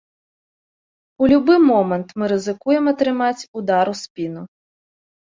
У любы момант мы рызыкуем атрымаць удар у спіну.